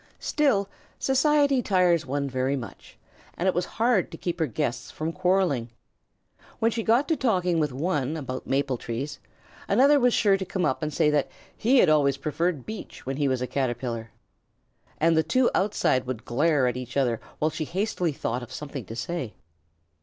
Still, society tires one very much, and it was hard to keep her guests from quarrelling. When she got to talking with one about maple trees, another was sure to come up and say that he had always preferred beech when he was a Caterpillar. And the two outside would glare at each other while she hastily thought of something else to say.